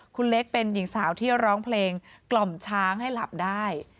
คุณเล็กเป็นหญิงสาวที่ร้องเพลงกล่อมช้างให้หลับได้